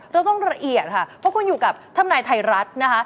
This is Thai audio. เราต้องละเอียดค่ะเพราะคุณอยู่กับท่านนายไทยรัฐนะคะ